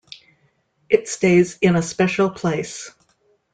It stays in a special place.